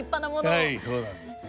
はいそうなんです。